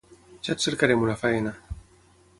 Ja et cercarem una feina.